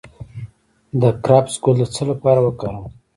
د کرفس ګل د څه لپاره وکاروم؟